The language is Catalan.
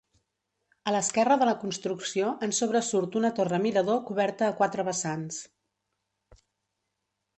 A l'esquerra de la construcció en sobresurt una torre-mirador coberta a quatre vessants.